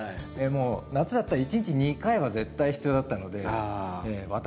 もう夏だったら一日２回は絶対必要だったので私